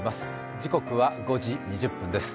時刻は５時２０分です。